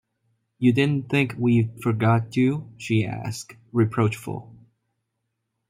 “You didn’t think we’d forgot you?” she asked, reproachful.